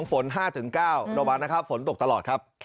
ฝน๕ถึง๙โดบันนะครับฝนตกตลอดครับ